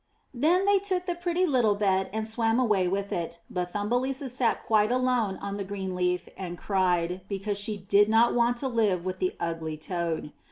Then they took the pretty little bed and swam away with it, but Thumbelisa sat quite alone on the green leaf and cried because she did not want to live with 416 UP ONE PAIR OF STAIRS the Ugly toad.